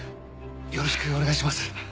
よろしくお願いします。